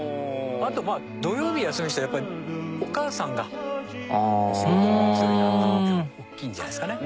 あと土曜日休みにしたのはやっぱりお母さんが仕事を持つようになったっていうのも大きいんじゃないですかね。